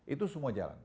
itu semua jalan